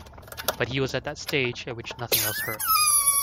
But he was at that stage at which nothing else hurts.